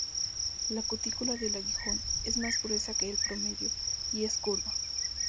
La cutícula del aguijón es más gruesa que el promedio y es curva.